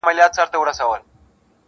• د خیرات په وخت کي د یتیم پزه ویني سي -